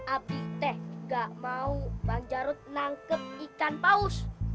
abdi teh gak mau bang jarud nangkep ikan paus